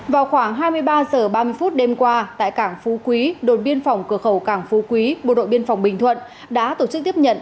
vào khoảng hai mươi ba h ba mươi phút đêm qua tại cảng phú quý đồn biên phòng cửa khẩu cảng phú quý bộ đội biên phòng bình thuận đã tổ chức tiếp nhận